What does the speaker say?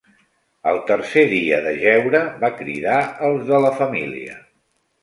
Al tercer dia de jeure va cridar als de la família